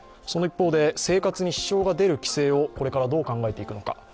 その一方で生活に支障が出る規制をこれからどう考えていくのか。